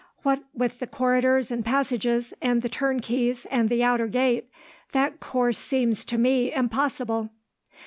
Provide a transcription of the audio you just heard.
What with the corridors and passages, and the turnkeys and the outer gate, that course seems to me impossible.